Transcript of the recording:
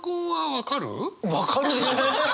分かるでしょ！